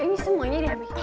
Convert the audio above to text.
ini semuanya dia miki